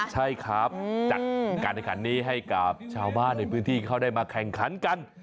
ใช่ครับจัดการแข่งขันนี้ให้กับชาวบ้านในพื้นที่เขาได้มาแข่งขันกัน